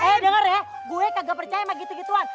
eh dengar ya gue kagak percaya sama gitu gituan